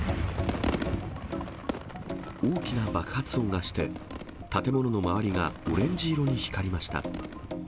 大きな爆発音がして、建物の周りがオレンジ色に光りました。